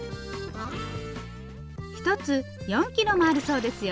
１つ４キロもあるそうですよ。